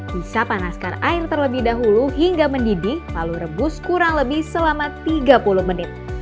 bisa panaskan air terlebih dahulu hingga mendidih lalu rebus kurang lebih selama tiga puluh menit